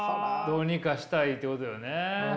どうにかしたいってことよね？